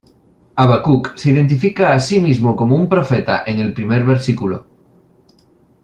Habacuc se identifica a sí mismo como un profeta en el primer versículo.